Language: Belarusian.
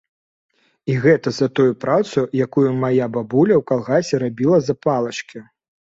І гэта за тую працу, якую мая бабуля ў калгасе рабіла за палачкі.